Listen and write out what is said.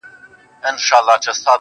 دا کتاب ختم سو نور، یو بل کتاب راکه~